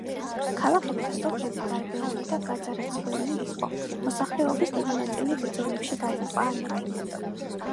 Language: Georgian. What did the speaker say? ქალაქები და სოფლები დარბეული და გაძარცვული იყო, მოსახლეობის დიდი ნაწილი ბრძოლებში დაიღუპა ან გაიფანტა.